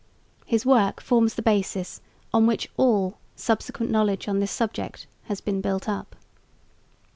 His work forms the basis on which all subsequent knowledge on this subject has been built up.